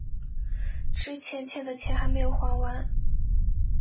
之前欠的钱还没还完